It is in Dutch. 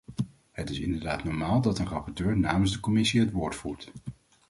Het is inderdaad normaal dat een rapporteur namens de commissie het woord voert.